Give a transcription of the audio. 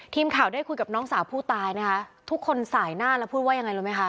ทีมข่าวได้คุยกับน้องสาวผู้ตายนะคะทุกคนสายหน้าแล้วพูดว่ายังไงรู้ไหมคะ